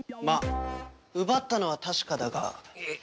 まあ奪ったのは確かだが。